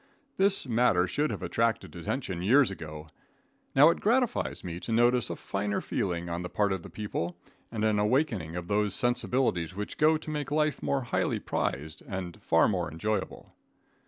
This matter should have attracted attention years ago. Now it gratifies me to notice a finer feeling on the part of the people, and an awakening of those sensibilities which go to make life more highly prized and far more enjoyable.